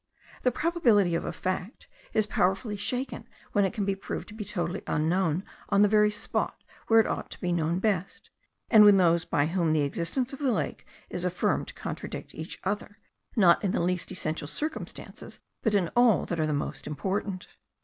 The probability of a fact is powerfully shaken when it can be proved to be totally unknown on the very spot where it ought to be known best; and when those by whom the existence of the lake is affirmed contradict each other, not in the least essential circumstances, but in all that are the most important.